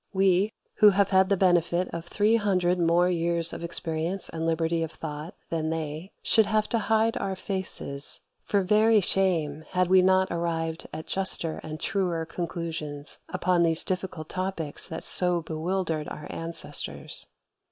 We, who have had the benefit of three hundred more years of experience and liberty of thought than they, should have to hide our faces for very shame had we not arrived at juster and truer conclusions upon those difficult topics that so bewildered our ancestors.